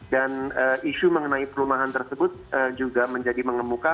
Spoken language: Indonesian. dan isu mengenai perumahan tersebut juga menjadi mengemuka